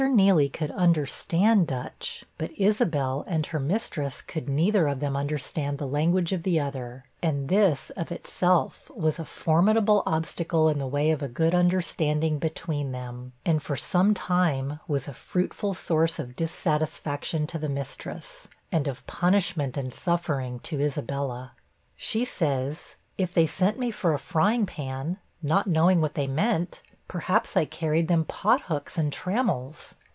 Nealy could understand Dutch, but Isabel and her mistress could neither of them understand the language of the other and this, of itself, was a formidable obstacle in the way of a good understanding between them, and for some time was a fruitful source of dissatisfaction to the mistress, and of punishment and suffering to Isabella. She says, 'If they sent me for a frying pan, not knowing what they meant, perhaps I carried them pot hooks and trammels.